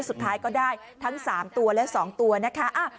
สุดท้ายก็ได้ทั้ง๓ตัวและ๒ตัวนะคะ